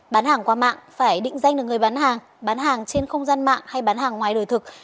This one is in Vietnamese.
bán hàng qua mạng phải định danh được người bán hàng bán hàng trên không gian mạng hay bán hàng ngoài đời thực